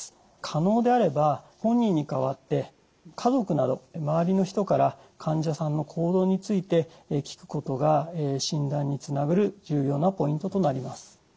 可能であれば本人に代わって家族など周りの人から患者さんの行動について聞くことが診断につながる重要なポイントとなります。